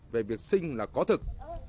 về việc sinh là có thực